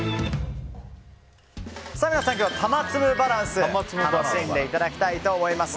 皆さん今日は、たまつむバランス楽しんでいただきたいと思います。